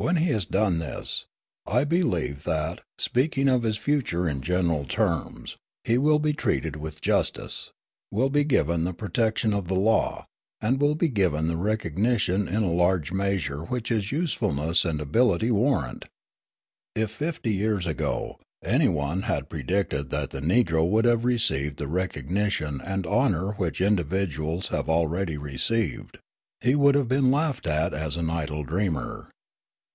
When he has done this, I believe that, speaking of his future in general terms, he will be treated with justice, will be given the protection of the law, and will be given the recognition in a large measure which his usefulness and ability warrant. If, fifty years ago, any one had predicted that the Negro would have received the recognition and honour which individuals have already received, he would have been laughed at as an idle dreamer.